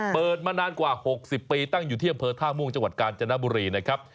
เปิดมานานกว่า๖๐ปีตั้งอยู่ที่อำเภอท่าม่วงจังหวัดกาญจนบุรีนะครับ